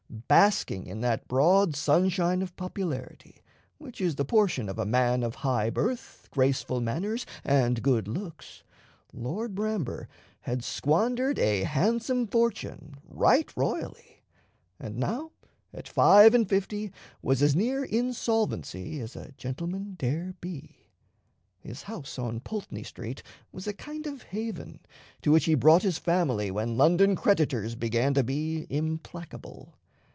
Basking in that broad sunshine of popularity which is the portion of a man of high birth, graceful manners, and good looks, Lord Bramber had squandered a handsome fortune right royally, and now, at five and fifty, was as near insolvency as a gentleman dare be. His house in Pulteney Street was a kind of haven, to which he brought his family when London creditors began to be implacable.